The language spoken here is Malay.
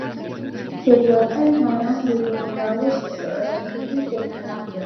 Perbuatan haram boleh membawa seseorang itu ke neraka